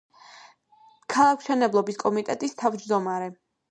ქალაქმშენებლობის კომიტეტის თავმჯდომარე.